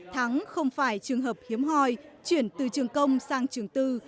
thắng không phải trường hợp hiếm hoi chuyển từ trường công sang trường tư